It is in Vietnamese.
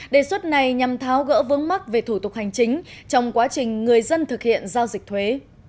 đề xuất này nhằm tháo gỡ vướng mắc về thủ tục hành chính trong quá trình người dân thực hiện giao dịch thuế